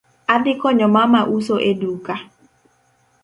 Adhi konyo mama uso e duka